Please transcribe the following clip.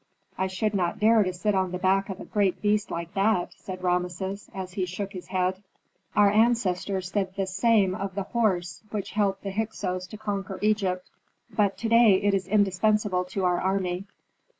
"I should not dare to sit on the back of a great beast like that," said Rameses, as he shook his head. "Our ancestors said the same of the horse, which helped the Hyksos to conquer Egypt, but to day it is indispensable to our army.